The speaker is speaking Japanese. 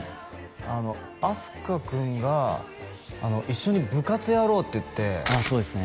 あの飛鳥くんが一緒に部活やろうって言ってそうですね